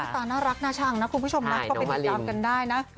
น้องมิวตาน่ารักน่าชั่งคุณผู้ชมรักก็ไปติดกรามกันได้นะ